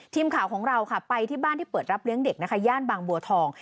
ทีมข่าวของเราค่ะไปที่บ้านที่เปิดรับเลี้ยงเด็กนะคะย่านบางบัวทอง